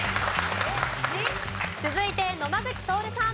続いて野間口徹さん。